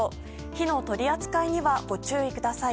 火の取り扱いにはご注意ください。